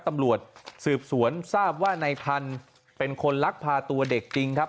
ตำรวจสืบสวนทราบว่าในพันธุ์เป็นคนลักพาตัวเด็กจริงครับ